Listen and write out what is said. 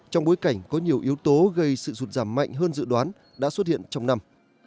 trong bối cảnh có nhiều yếu tố gây sụt giảm mạnh hơn dự đoán đã xuất hiện trong năm